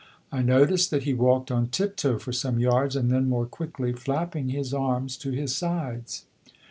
I noticed that he walked on tiptoe for some yards, and then more quickly, flapping his arms to his sides.